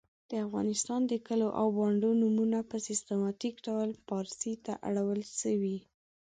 د افغانستان د کلو او بانډو نومونه په سیستماتیک ډول پاړسي ته اړول سوي .